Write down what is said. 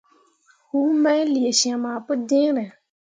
Huu main lee syem ah pǝjẽe.